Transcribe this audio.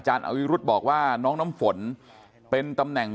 คุณยายบอกว่ารู้สึกเหมือนใครมายืนอยู่ข้างหลัง